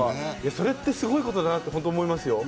それって、すごいことだなと思いますよ。